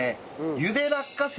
茹で落花生。